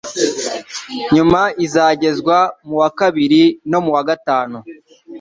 nyuma izagezwa mu wa kabiri no mu wa gatanu